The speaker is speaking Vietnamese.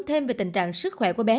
thêm về tình trạng sức khỏe của bé